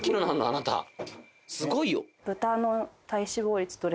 あなたすごいよえっ？